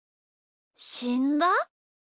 しんだ？